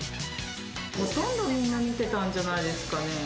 ほとんどみんな見てたんじゃないですかね。